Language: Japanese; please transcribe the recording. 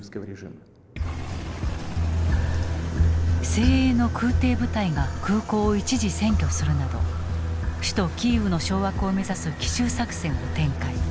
精鋭の空挺部隊が空港を一時占拠するなど首都キーウの掌握を目指す奇襲作戦を展開。